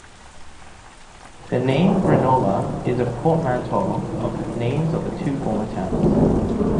The name Grenola is a portmanteau of the names of the two former towns.